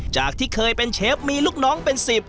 จากที่เคยเป็นเชฟมีลูกน้องเป็น๑๐